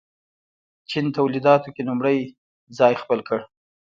چین تولیداتو کې لومړی ځای خپل کړ.